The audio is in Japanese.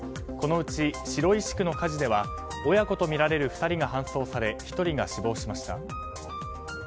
このうち白石区の火事では親子とみられる２人が搬送され１人が死亡しました。